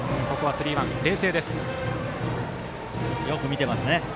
よく見てますね。